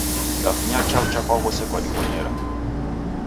Dafunya chaw'ucha kwa ghose kwadibonyera.